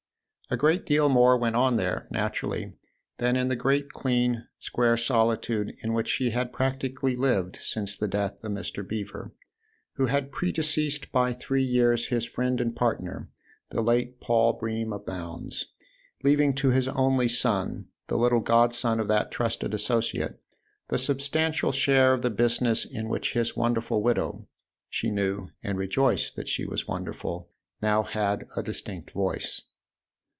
A great deal more went on there, naturally, than in the great clean, square solitude in which she had practically lived since the death of Mr. Beever, who had predeceased by three years his friend and partner, the late Paul Bream of Bounds, leaving to his only son, the little godson of that trusted associate, the substantial share of the busi ness in which his wonderful widow she knew and rejoiced that she was wonderful now had a distinct voice.